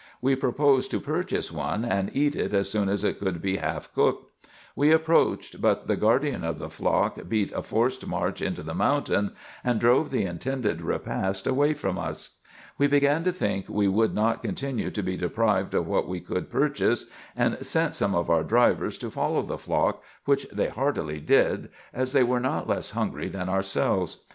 We proposed to purchase one, and eat it as soon as it could be half cooked. We approached, but the guardian of the flock beat a forced march into the mountain, and drove the intended repast away from us. We began to think we would not continue to be deprived of what we could purchase, and sent some of our drivers to follow the flock, which they heartily did, as they were not less hungry than ourselves.